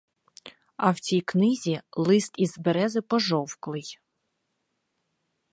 А в цій книзі лист із берези, пожовклий.